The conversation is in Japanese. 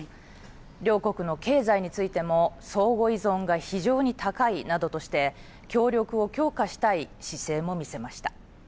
両国の経済についても、相互依存が非常に高いなどとして、協力を強化したい姿勢も見せました。